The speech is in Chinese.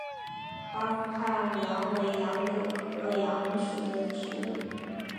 阿富汗杨为杨柳科杨属的植物。